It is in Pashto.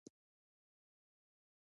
د جبار سره دې دښمني په دوستي واړو.